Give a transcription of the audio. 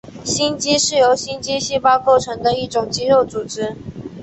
心肌是由心肌细胞构成的一种肌肉组织。